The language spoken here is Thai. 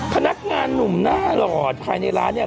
พนักงานหนุ่มหน้าหล่อภายในร้านเนี่ย